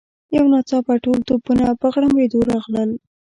یو ناڅاپه ټول توپونه په غړمبېدو راغلل.